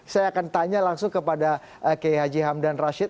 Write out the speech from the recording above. saya akan tanya langsung kepada k h hamdan rashid